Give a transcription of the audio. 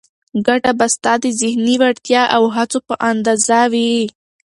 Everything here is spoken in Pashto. ګټه به ستا د ذهني وړتیا او هڅو په اندازه وي.